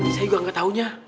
saya juga gak taunya